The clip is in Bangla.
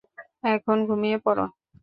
এখন ঘুমিয়ে পড়ো।